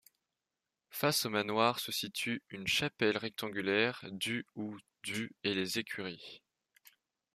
Face au manoir se situent une chapelle rectangulaire du ou du et les écuries.